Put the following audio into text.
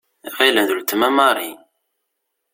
Ɣilen d uletma Marie.